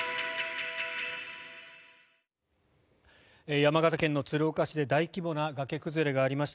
山形県の鶴岡市で大規模な崖崩れがありました。